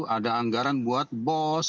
ada anggaran buat bos